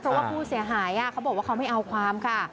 เพราะว่าผู้เสียหายเขาบอกว่าเขาไม่เอาความค่ะ